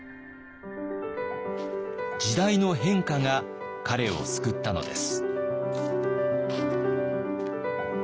時代の変化が彼を救ったのです。